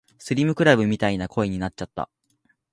スリムクラブみたいな声になっちゃった